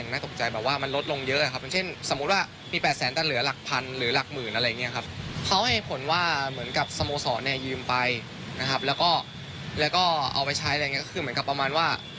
เงินทั้งหมดเนี่ยสโมงเอาไปแล้วสโมงคนจัดการ